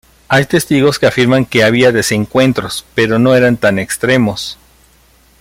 Hay testigos que afirman que había desencuentros, pero que no eran tan extremos.